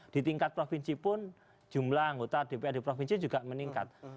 di tingkat provinsi pun jumlah anggota dprd provinsi juga meningkat